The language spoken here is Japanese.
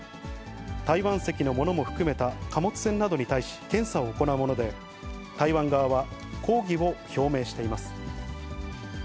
台湾籍のものも含めた貨物船などに対し検査を行うもので、台湾側は抗議を表明しています。